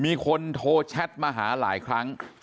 มีคนโทรแชทมาหาหลายครั้ง